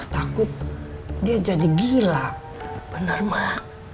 takut dia jadi gila bener mah